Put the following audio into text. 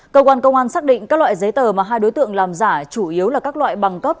cơ quan công an xác định các loại giấy tờ mà hai đối tượng làm giả chủ yếu là các loại bằng cấp